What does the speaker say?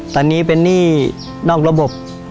ตอนนี้เป็นหนี้นอกระบบ